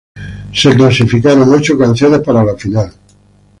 Ocho canciones se clasificaron para la final.